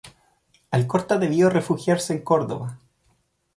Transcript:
Alcorta debió refugiarse en Córdoba.